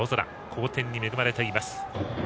好天に恵まれています。